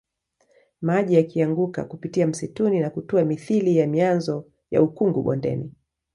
Maji yakianguka kupitia msituni na kutua mithili ya mianzo ya ukungu bondeni